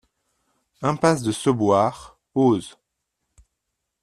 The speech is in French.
Impasse de Sauboires, Eauze